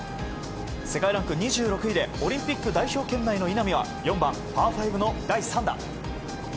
世界ランク２６位でオリンピック代表圏内の稲見は４番、パー５の第３打。